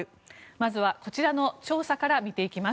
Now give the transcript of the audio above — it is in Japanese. まずはこちらの調査から見ていきます。